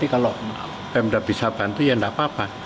kalau itu tak terpaksa